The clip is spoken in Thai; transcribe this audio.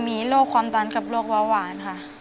มีโรคความดันกับโรคเบาหวานค่ะ